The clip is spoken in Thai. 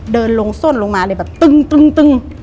เดินลงส้นลงมาเลยแบบตึง